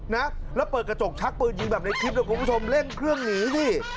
นะแล้วเปิดกระจกชักปืนยิงแบบในคลิปนะคุณผู้ชมเร่งเครื่องหนีสิ